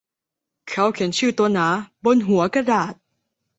เขาเขียนชื่อตัวหนาบนหัวกระดาษ